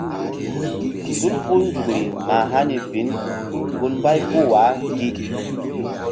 Tul puh nzukri mah hani bin gun mbay puh wa gi.